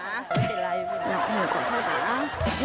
ไม่เป็นไรแม่หนูขอโทษนะ